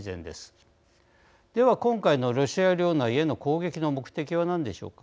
では今回のロシア領内への攻撃の目的は何でしょうか。